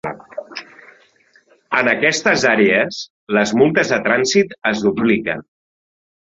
En aquestes àrees, les multes de trànsit es dupliquen.